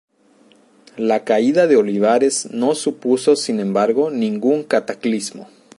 La caída de Olivares no supuso, sin embargo, ningún cataclismo.